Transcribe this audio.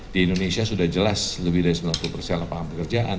di indonesia sudah jelas lebih dari sembilan puluh persen lapangan pekerjaan